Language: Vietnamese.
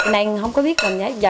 nên không có biết mình nhớ